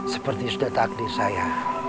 seperti sudah takdir saya